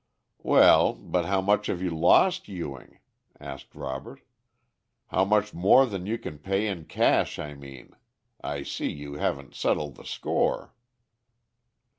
"Well, but how much have you lost, Ewing?" asked Robert. "How much more than you can pay in cash, I mean? I see you haven't settled the score."